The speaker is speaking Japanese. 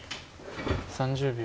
３０秒。